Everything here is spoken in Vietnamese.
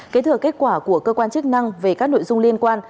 kế thừa kết quả của cơ quan chức năng về các nội dung liên quan